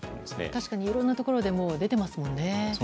確かにいろんなところでも出てますもんね。